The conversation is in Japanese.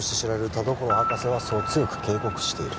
「田所博士はそう強く警告している」